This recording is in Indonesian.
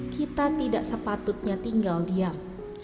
kita tidak sepatutnya tinggal diam